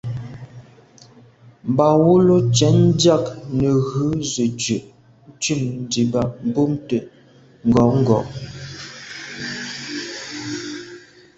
Mbā wʉ́lǒ cwɛ̌d ndíɑ̀g nə̀ ghʉ zə̀ dʉ̀' ntʉ̂m diba mbumtə ngɔ̌ngɔ̀.